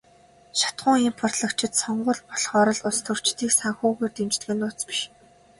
Шатахуун импортлогчид сонгууль болохоор л улстөрчдийг санхүүгээр дэмждэг нь нууц биш.